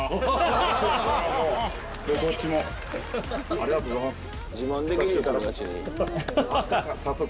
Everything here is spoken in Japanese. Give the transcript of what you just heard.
ありがとうございます。